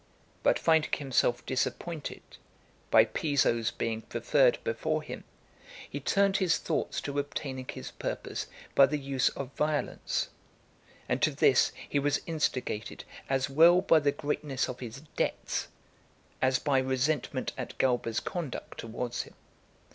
But finding himself disappointed, by Piso's being preferred before him, he turned his thoughts to obtaining his purpose by the use of violence; and to this he was instigated, as well by the greatness of his debts, as by resentment (419) at Galba's conduct towards him.